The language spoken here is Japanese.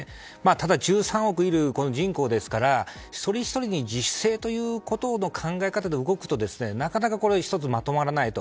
ただ、１３億人いる人口ですから一人ひとりに自主性という考え方で動くとなかなか１つまとまらないと。